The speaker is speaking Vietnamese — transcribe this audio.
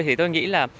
thì tôi nghĩ là